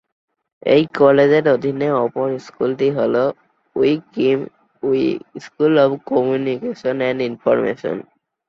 এই কলেজের অধীনে অপর স্কুলটি হল Wee Kim Wee school of communication and information.